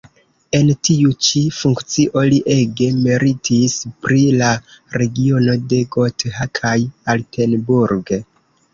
En tiu ĉi funkcio li ege meritis pri la regiono de Gotha kaj Altenburg.